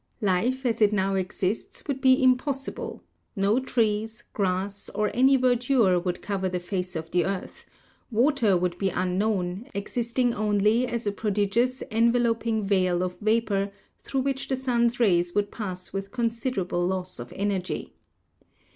Life as it now exists would be impossible — no trees, grass, or any verdure would cover the face of the earth; water would be unknown, existing only as a prodigious enveloping veil of vapor through which the sun's rays would pass with considerable loss of energy.